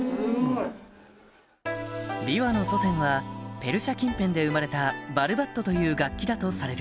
琵琶の祖先はペルシャ近辺で生まれたバルバットという楽器だとされる